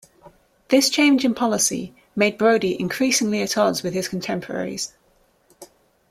This change in policy made Brodie increasingly at odds with his contemporaries.